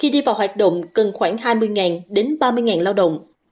khi đi vào hoạt động cần khoảng hai mươi đến ba mươi lao động